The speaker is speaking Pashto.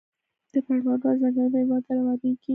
د بڼوڼو او ځنګلونو میلمنه ده، روانیږي